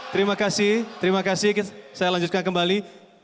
terima kasih terima kasih saya lanjutkan kembali